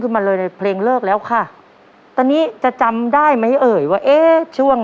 มาเลยในเพลงเลิกแล้วค่ะตอนนี้จะจำได้ไหมเอ่ยว่าเอ๊ะช่วง